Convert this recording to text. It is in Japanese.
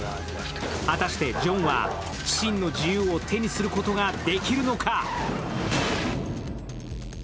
果たしてジョンは真の自由を手にすることができるのか？